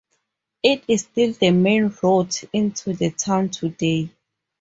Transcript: It is still the main route into the town today.